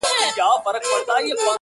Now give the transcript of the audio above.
دا سر زوري خلک غوږ پر هره وینا نه نیسي -